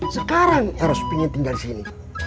sekarang eros pengen tinggal disini